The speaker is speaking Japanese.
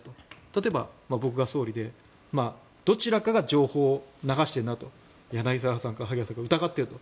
例えば僕が総理でどちらかが情報を流しているなと柳澤さんか萩谷さんかを疑っていると。